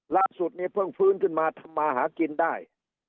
ล่าสุดเนี่ยเพิ่งฟื้นขึ้นมาทำมาหากินได้